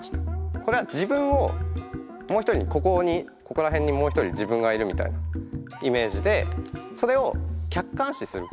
これは自分をもう一人ここにここら辺にもう一人自分がいるみたいなイメージでそれを客観視する。